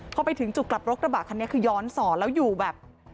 พอไปถึงจุดกลับรถกระบะคันนี้คือย้อนสอนแล้วอยู่แบบ